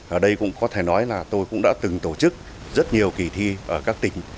ở đây cũng có thể nói là tôi cũng đã từng tổ chức rất nhiều kỳ thi ở các tỉnh